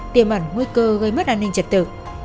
tiềm ẩn nguy cơ gây mất an ninh trật tự